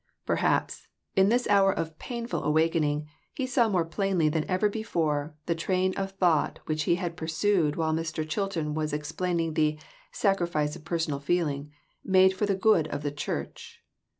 Perhaps, in this hour of painful awakening he saw more plainly than ever before, the train of thought which he had pursued while Mr. Chilton was explaining the "sacrifice of personal feeling," made for the good of the church